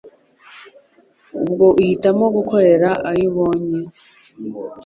ubwo uhitamo gukorera ayo ubonye.”